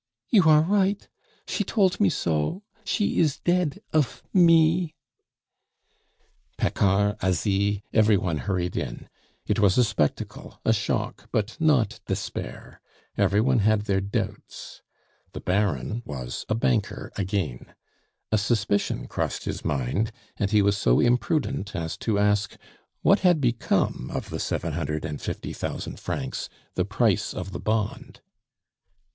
"You are right! She tolt me so! She is dead of me " Paccard, Asie, every one hurried in. It was a spectacle, a shock, but not despair. Every one had their doubts. The Baron was a banker again. A suspicion crossed his mind, and he was so imprudent as to ask what had become of the seven hundred and fifty thousand francs, the price of the bond.